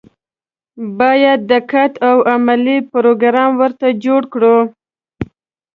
باید دقیق او علمي پروګرام ورته جوړ کړو.